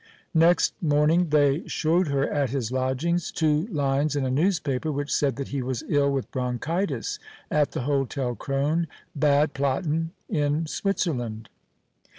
Next morning they showed her, at his lodgings, two lines in a newspaper, which said that he was ill with bronchitis at the Hotel Krone, Bad Platten, in Switzerland.